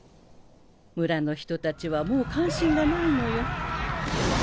村の人たちはもう関心がないのよ。